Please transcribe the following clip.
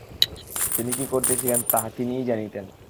তিনি কি করিতেছিলেন, তাহা তিনিই জানিতেন।